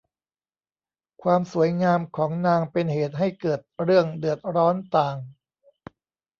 ความสวยงามของนางเป็นเหตุให้เกิดเรื่องเดือดร้อนต่าง